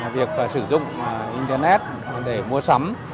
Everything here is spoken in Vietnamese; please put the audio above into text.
việc sử dụng internet để mua sắm